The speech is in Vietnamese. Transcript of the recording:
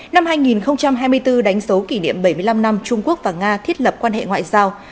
năm hai nghìn hai mươi bốn đánh số kỷ niệm bảy mươi năm năm trung quốc và nga thiết lập quan hệ ngoại giao